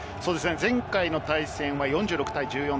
前回の対戦は４６対１４。